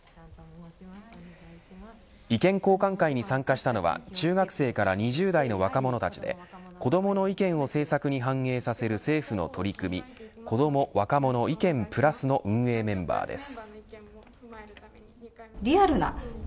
意見交換会に参加したのは中学生から２０代の若者たちで子どもの意見を政策に反映させる政府の取り組みこども若者いけんぷらすの運営メンバーです。